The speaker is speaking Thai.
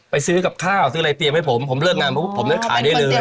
ซื้อกับข้าวซื้ออะไรเตรียมให้ผมผมเลิกงานปุ๊บผมนั้นขายได้เลย